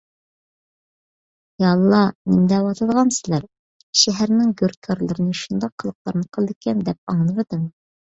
يا ئاللاھ، نېمە دەۋاتىدىغانسىلەر؟ شەھەرنىڭ گۆركارلىرىنى شۇنداق قىلىقلارنى قىلىدىكەن، دەپ ئاڭلىۋىدىم.